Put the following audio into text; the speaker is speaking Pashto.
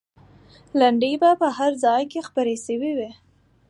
لنډۍ به په هر ځای کې خپرې سوې وي.